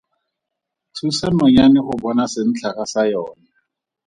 Thusa nonyane go bona sentlhaga sa yona.